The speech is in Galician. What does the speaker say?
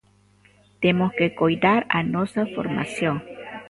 Temos que coidar a nosa formación.